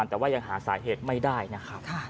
แต่ว่ายังหาสาเหตุไม่ได้นะครับ